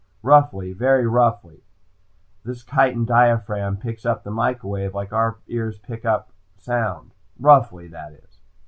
Roughly, very roughly. This chitin diaphragm picks up the microwave like our ears pick up sound. Roughly, that is."